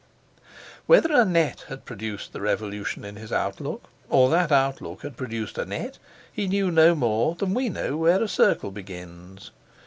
Whether Annette had produced the revolution in his outlook, or that outlook had produced Annette, he knew no more than we know where a circle begins.